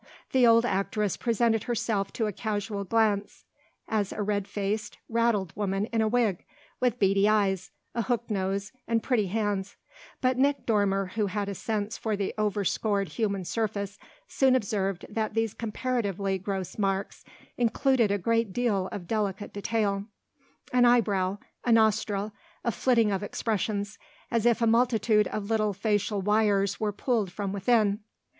The old actress presented herself to a casual glance as a red faced, raddled woman in a wig, with beady eyes, a hooked nose, and pretty hands; but Nick Dormer, who had a sense for the over scored human surface, soon observed that these comparatively gross marks included a great deal of delicate detail an eyebrow, a nostril, a flitting of expressions, as if a multitude of little facial wires were pulled from within.